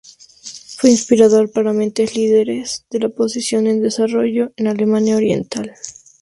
Fue inspirador para mentes líderes de la oposición en desarrollo en Alemania Oriental.